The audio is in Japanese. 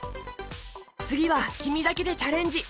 つぎはきみだけでチャレンジ！